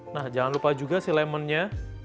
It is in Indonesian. nah jangan lupa juga si lemonnya